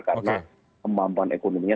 karena kemampuan ekonominya